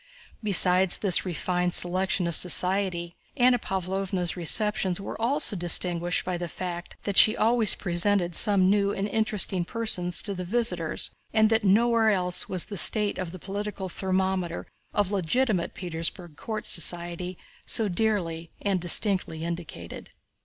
Besides this refined selection of society Anna Pávlovna's receptions were also distinguished by the fact that she always presented some new and interesting person to the visitors and that nowhere else was the state of the political thermometer of legitimate Petersburg court society so dearly and distinctly indicated.